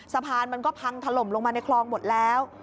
สะพานมันก็พังถล่มลงมาในคลองหมดแล้ว